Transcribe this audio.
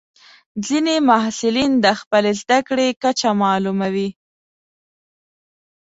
ځینې محصلین د خپلې زده کړې کچه معلوموي.